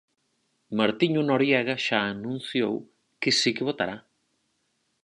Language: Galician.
Martiño Noriega xa anunciou que si que votará.